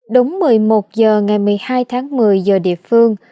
đúng một mươi một h ngày một mươi hai tháng một mươi giờ địa phương